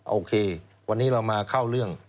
โอเควันนี้เรามาเข้าเรื่อง